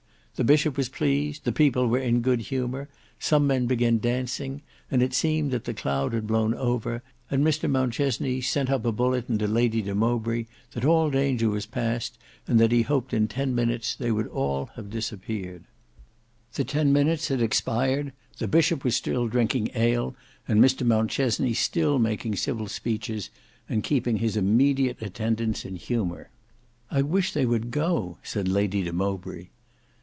The Bishop was pleased, the people were in good humour, some men began dancing, it seemed that the cloud had blown over, and Mr Mountchesney sent up a bulletin to Lady de Mowbray that all danger was past and that he hoped in ten minutes they would all have disappeared. The ten minutes had expired: the Bishop was still drinking ale, and Mr Mountchesney still making civil speeches and keeping his immediate attendants in humour. "I wish they would go," said Lady de Mowbray.